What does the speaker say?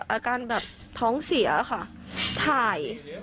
อาการแบบท้องเสียค่ะถ่าย